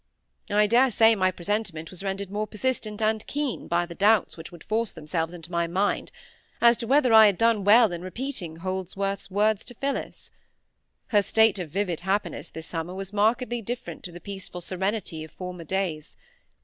I dare say my presentiment was rendered more persistent and keen by the doubts which would force themselves into my mind, as to whether I had done well in repeating Holdsworth's words to Phillis. Her state of vivid happiness this summer was markedly different to the peaceful serenity of former days.